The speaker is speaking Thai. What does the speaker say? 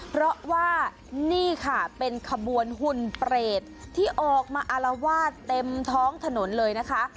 เพราะว่านี่ค่ะเป็นขบวนหุ่นเปรตที่ออกมาอารวาสเต็มท้องถนนเลยนะคะ